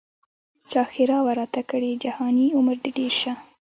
چا ښرا وه راته کړې جهاني عمر دي ډېر سه